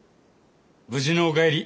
無事のお帰り